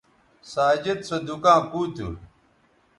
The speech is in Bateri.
ساجد سو دُکاں کُو تھو